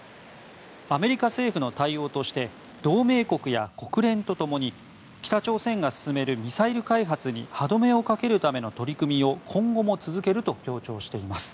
アメリカ政府の対応として同盟国や国連とともに北朝鮮が進めるミサイル開発に歯止めをかけるための取り組みを今後も続けると強調しています。